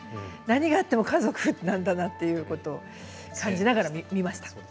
何があっても家族なんだなということを感じながら見ました。